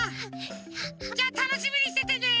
じゃあたのしみにしててね！